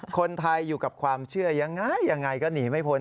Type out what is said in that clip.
คนไทยอยู่กับความเชื่อยังไงยังไงก็หนีไม่พ้น